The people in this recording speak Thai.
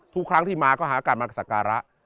ทุกครั้งที่มาก็หาการมาสักการะ